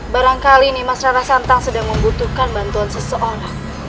barangkali mas rara santang sedang membutuhkan bantuan seseorang